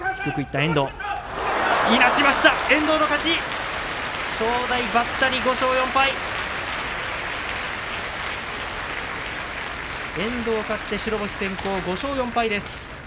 遠藤勝って白星先行、５勝４敗です。